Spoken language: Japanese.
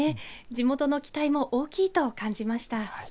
地元の期待も大きいと感じました。